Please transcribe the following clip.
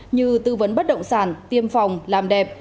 như tư vấn bất động sản tiêm phòng làm đẹp